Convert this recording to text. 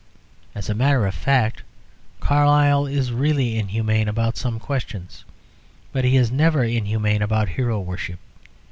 As a matter of fact, Carlyle is really inhumane about some questions, but he is never inhumane about hero worship.